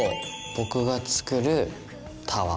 僕が作るタワー。